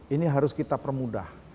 ini harus kita permudah